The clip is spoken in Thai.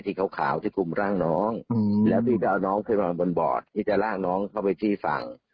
ขาวที่คุมร่างน้องแล้วพี่จะเอาน้องขึ้นมาบนบอดที่จะลากน้องเข้าไปที่ฝั่ง